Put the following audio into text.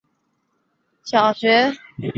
但香川真司仍留在大阪樱花。